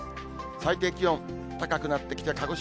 最低気温、高くなってきて、鹿児島